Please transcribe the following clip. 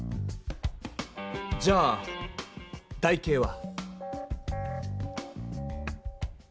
じゃあ台形は。